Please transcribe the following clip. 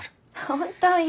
本当よ。